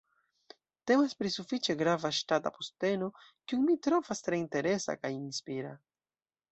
Temas pri sufiĉe grava ŝtata posteno, kiun mi trovas tre interesa kaj inspira.